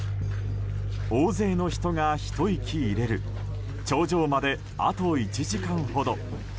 大勢の人がひと息入れる頂上まであと１時間ほど。